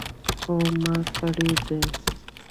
هو ما کړی دی